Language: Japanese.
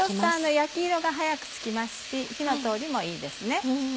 焼き色が早くつきますし火の通りもいいですね。